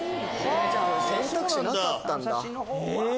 じゃあ選択肢なかったんだ。